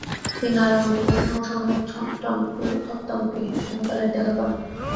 তিনি নারায়ণ গুরুর সমসাময়িক ছত্তাম্পি স্বামীকালের দেখা পান।